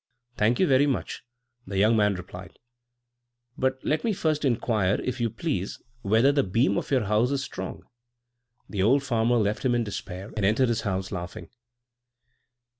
"Thank you very much," the young man replied; "but let me first inquire, if you please, whether the beam of your house is strong." The old farmer left him in despair, and entered his house laughing.